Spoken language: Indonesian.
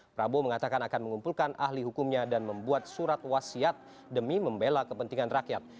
prabowo mengatakan akan mengumpulkan ahli hukumnya dan membuat surat wasiat demi membela kepentingan rakyat